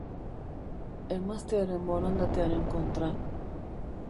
Emaztearen borondatearen kontra.